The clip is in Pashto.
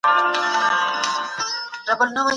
ښوونځي زدهکوونکو ته د علمي تحقیق بنسټونه ورزده کوي.